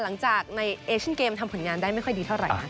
หลังจากในเอเชียนเกมทำผลงานได้ไม่ค่อยดีเท่าไหร่นัก